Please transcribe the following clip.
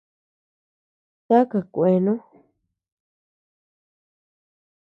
¿Taka kuenu?